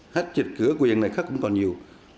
hết trịt cửa quyền này khắc cũng còn nhiều